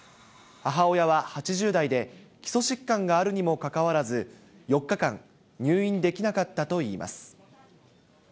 母親は８０代で、基礎疾患があるにもかかわらず、４日間、入院できなかったといいます。